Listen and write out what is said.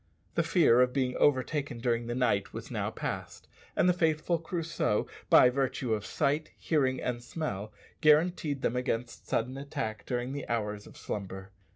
The fear of being overtaken during the night was now past, and the faithful Crusoe, by virtue of sight, hearing, and smell, guaranteed them against sudden attack during the hours of slumber.